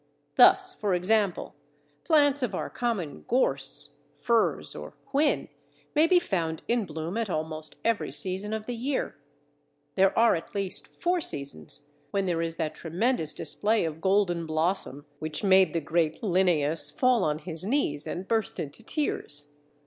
Thus, for example, plants of our common Gorse, furze, or whin may be found in bloom at almost every season of the year. There are at least four seasons when there is that tremendous display of golden blossom which made the great Linnæus fall on his knees and burst into tears.